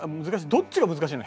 どっちが難しいの？